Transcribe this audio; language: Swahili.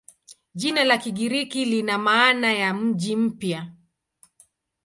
Jina la Kigiriki lina maana ya "mji mpya".